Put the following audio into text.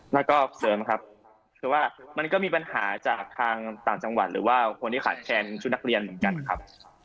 แล้วก็เสริมครับคือว่ามันก็มีปัญหาจากทางต่างจังหวัดหรือว่าคนที่ขาดแคลนชุดนักเรียนเหมือนกันนะครับ